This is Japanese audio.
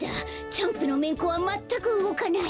チャンプのめんこはまったくうごかない。